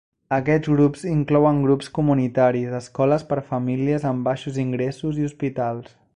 Aquests grups inclouen grups comunitaris, escoles per famílies amb baixos ingressos i hospitals.